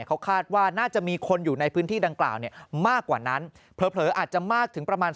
เขาคาดว่าน่าจะมีคนอยู่ในพื้นที่ดังกล่าวเนี่ยมากกว่านั้นเผลออาจจะมากถึงประมาณ